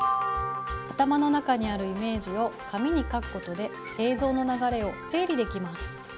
頭の中にあるイメージを紙に描くことで映像の流れを整理できます。